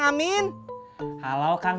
di masa ini mx pandang